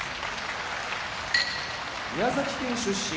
宮崎県出身